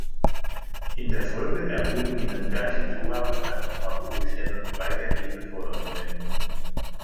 In der Folge erhoben die Ngāti Toa und andere Maori-Stämme weitergehende Forderungen.